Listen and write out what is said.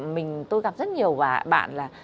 mình tôi gặp rất nhiều bạn là